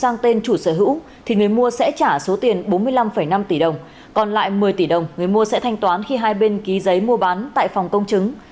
người mua sẽ trả số tiền bốn mươi năm năm tỷ đồng còn lại một mươi tỷ đồng người mua sẽ thanh toán khi hai bên ký giấy mua bán tại phòng công chứng